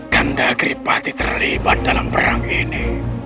kanda agri pati terlibat dalam perang ini